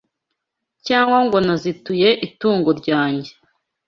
cyangwa ngo nazituye itungo ryange